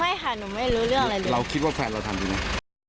ค่ะหนูไม่รู้เรื่องอะไรเลยเราคิดว่าแฟนเราทำดีไหม